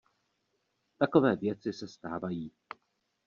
Takové věci se stávají.